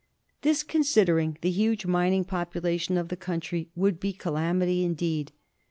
This, considering the huge mining population of the country, would be a calamity indeed.